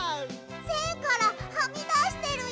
せんからはみだしてるよ！